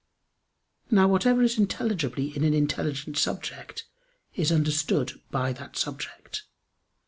Now whatever is intelligibly in an intelligent subject, is understood by that subject.